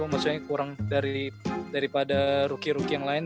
maksudnya kurang daripada rookie rookie yang lain